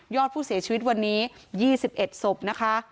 อดผู้เสียชีวิตวันนี้๒๑ศพนะคะ